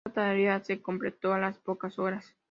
Esta tarea se completó a las pocas horas.